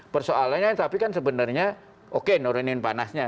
persoalannya tapi kan sebenarnya oke nurunin panasnya